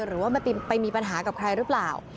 หรือว่าไปมีปัญหากับใครหรือเปล่า